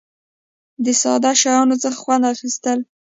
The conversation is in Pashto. د ساده شیانو څخه خوند اخیستل.